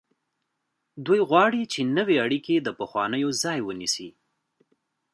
دوی غواړي چې نوې اړیکې د پخوانیو ځای ونیسي.